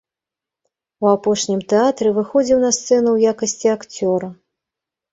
У апошнім тэатры выходзіў на сцэну ў якасці акцёра.